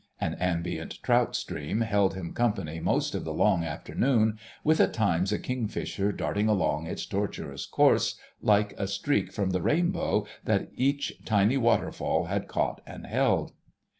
An ambient trout stream held him company most of the long afternoon, with at times a kingfisher darting along its tortuous course like a streak from the rainbow that each tiny waterfall had caught and held.